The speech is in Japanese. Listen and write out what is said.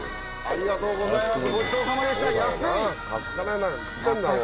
ありがとうございます。